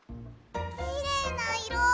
きれいないろ。